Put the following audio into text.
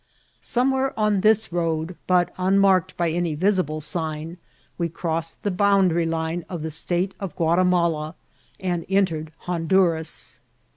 Somewhere on this road, but unmarked by any visible sign, we crossed the bounda ry line of the state of Guatimala and entered Hon duras.